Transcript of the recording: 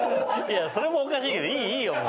いやそれもおかしいけどいいよ